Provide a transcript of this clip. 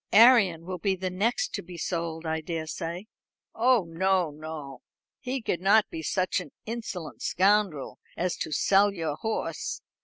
"Arion will be the next to be sold, I daresay." "Oh, no, no. He could not be such an insolent scoundrel as to sell your horse.